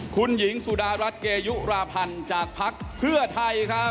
คุณหญิงสุดารัฐเกยุราพันธ์จากภักดิ์เพื่อไทยครับ